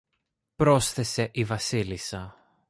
πρόσθεσε η Βασίλισσα.